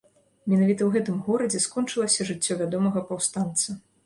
Менавіта ў гэтым горадзе скончылася жыццё вядомага паўстанца.